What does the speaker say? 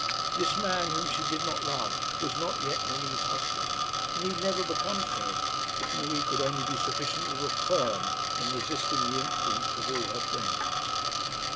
This man whom she did not love was not yet Marie's husband; need never become so if Marie could only be sufficiently firm in resisting the influence of all her friends.